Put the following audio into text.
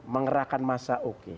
mengerahkan masa oke